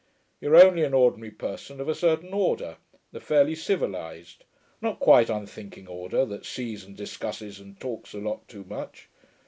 You're only an ordinary person of a certain order, the fairly civilised, not quite unthinking order, that sees and discusses and talks a lot too much.